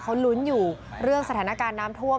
เขาลุ้นอยู่เรื่องสถานการณ์น้ำท่วม